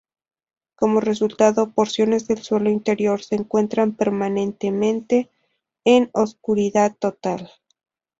Como resultado, porciones del suelo interior se encuentran permanentemente en oscuridad total.